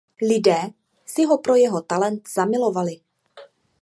Lidé si ho pro jeho talent zamilovali.